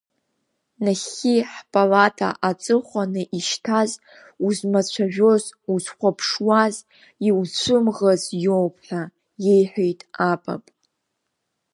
Нахьхьи ҳпалата аҵыхәаны ишьҭаз, узмацәажәоз, узхәамԥшуаз, иуцәымӷыз иоуп, ҳәа иеиҳәеит апап.